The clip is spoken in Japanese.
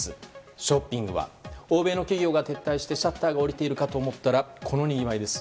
ショッピングは欧米の企業が撤退してシャッターが下りているかと思ったらこのにぎわいです。